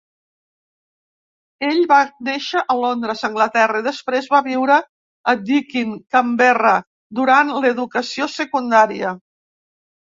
Ell va néixer a Londres, Anglaterra, i després va viure a Deakin, Canberra, durant l"educació secundària.